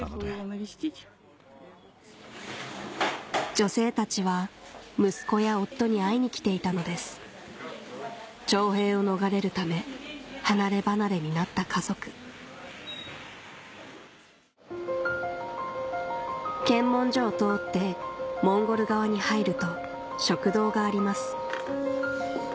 女性たちは息子や夫に会いに来ていたのです徴兵を逃れるため離れ離れになった家族検問所を通ってモンゴル側に入ると食堂があります